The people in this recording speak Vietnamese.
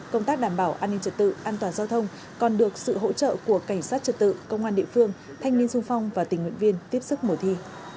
công tác đảm bảo an ninh trật tự an toàn giao thông còn được sự hỗ trợ của cảnh sát trật tự công an địa phương thanh niên sung phong và tình nguyện viên tiếp sức mùa thi